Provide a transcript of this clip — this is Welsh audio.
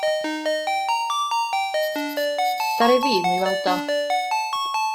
Ddaru fi 'm i weld o.